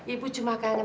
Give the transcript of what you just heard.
ibu cuma kangen sama kamu